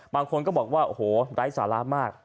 บางคนก็บอกว่าโอ้โหไร้สาระมาก